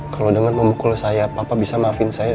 kalau dengan memukul saya papa bisa maafin saya